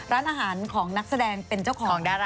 ร้านของนักแสดงเป็นเจ้าของ